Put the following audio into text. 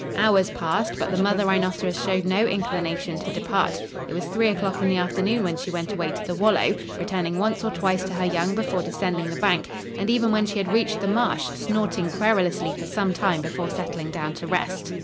Hours passed, but the mother rhinoceros showed no inclination to depart. It was three o'clock in the afternoon when she went away to the wallow, returning once or twice to her young before descending the bank, and, even when she had reached the marsh, snorting querulously for some time before settling down to rest.